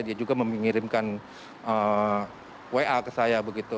dia juga mengirimkan wa ke saya begitu